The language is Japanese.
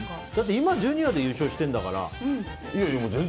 今、ジュニアで優勝してるんだから。